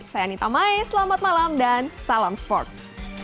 saya anita mai selamat malam dan salam sports